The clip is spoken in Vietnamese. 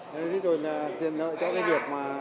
thế rồi là tiền lợi cho cái việc